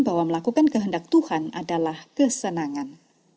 bahwa melakukan kehendak tuhan adalah kesenangan